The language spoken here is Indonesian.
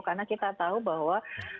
karena kita tahu bahwa